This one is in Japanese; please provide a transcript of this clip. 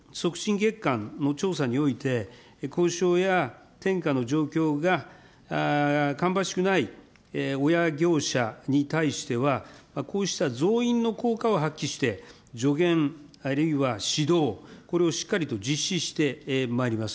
月間の調査において、交渉や転嫁の状況がかんばしくない親業者に対しては、こうした増員の効果を発揮して、助言、あるいは指導、これをしっかりと実施してまいります。